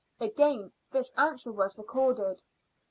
Again this answer was recorded.